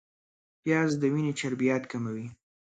پیاز د وینې چربیات کموي